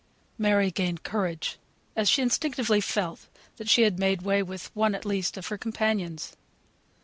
Mary gained courage as she instinctively felt she had made way with one at least of her companions.